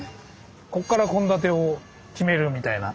ここから献立を決めるみたいな。